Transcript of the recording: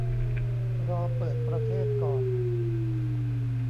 รอเปิดประเทศก่อน